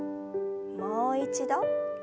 もう一度。